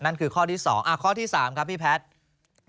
นั่นคือข้อที่๒ข้อที่๓ครับพี่แพทย์